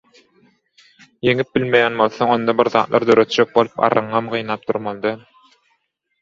ýeňip bilmeýän bolsaň, onda bir zatlar döretjek bolup arrygyňam gynap oturmaly däl.